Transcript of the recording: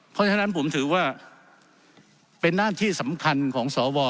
เพราะฉะนั้นผมถือว่าเป็นหน้าที่สำคัญของสว